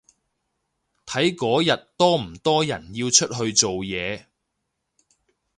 睇嗰日多唔多人要出去做嘢